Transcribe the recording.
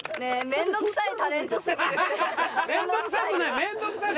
面倒くさくないよね。